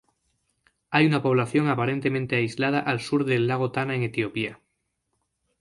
Hay una población aparentemente aislada al sur del lago Tana en Etiopía.